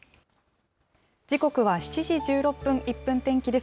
時刻は７時１６分、１分天気です。